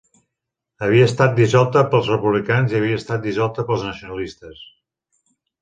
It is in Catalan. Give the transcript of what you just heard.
Havia estat dissolta pels republicans i havia estat dissolta pels nacionalistes.